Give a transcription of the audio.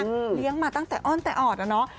เลี้ยงมาตั้งแต่อ้อนแต่ออดอะเนาะ